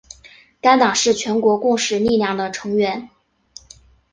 该党是全国共识力量的成员。